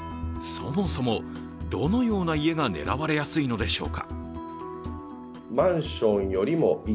そもそも、どのような家が狙われやすいのでしょうか。